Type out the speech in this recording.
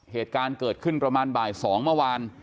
เหตุการณ์เกิดขึ้นประมาณบ่าย๒เมื่อวาน